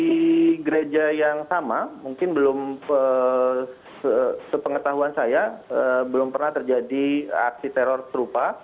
di gereja yang sama mungkin belum sepengetahuan saya belum pernah terjadi aksi teror serupa